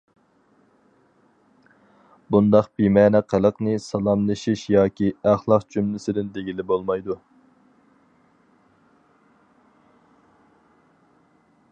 بۇنداق بىمەنە قىلىقنى سالاملىشىش ياكى ئەخلاق جۈملىسىدىن دېگىلى بولمايدۇ.